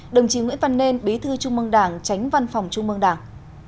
đồng chí nguyễn văn nên bí thư trung mương đảng tránh văn phòng trung mương đảng